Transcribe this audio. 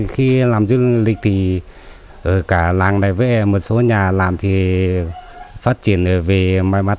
khi làm du lịch thì cả làng này với một số nhà làm thì phát triển về mọi mặt